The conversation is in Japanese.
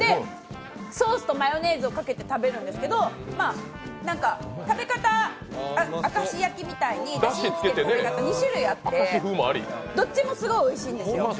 ソースとマヨネーズをかけて食べるんですけど、食べ方、明石焼きみたいにだしつける食べ方、２種類あってどっちもすごいおいしいんですよ。